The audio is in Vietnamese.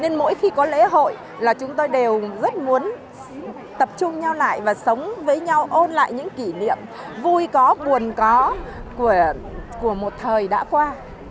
nên mỗi khi có lễ hội là chúng tôi đều rất muốn tập trung nhau lại và sống với nhau ôn lại những kỷ niệm vui có buồn có của một thời đã qua